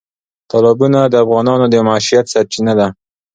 تالابونه د افغانانو د معیشت سرچینه ده.